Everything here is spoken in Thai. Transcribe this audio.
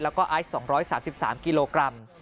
แล้วก็ไอซ์๒๓๓กิโลกรัม